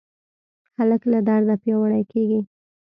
هلک له درده پیاوړی کېږي.